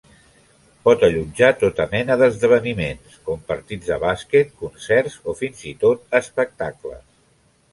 Pot allotjar tota mena d'esdeveniments, com partits de bàsquet, concerts o fins i tot espectacles.